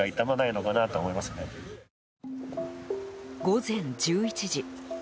午前１１時。